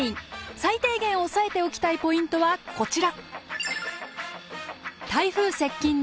最低限押さえておきたいポイントはこちら。